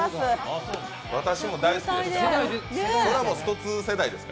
私も大好きです